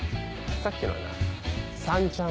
さっきのはなさん